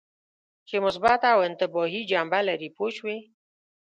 چې مثبته او انتباهي جنبه لري پوه شوې!.